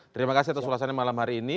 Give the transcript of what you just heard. terima kasih atas ulasannya malam hari ini